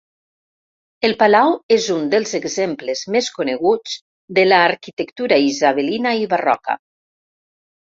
El palau és un dels exemples més coneguts de l'arquitectura isabelina i barroca.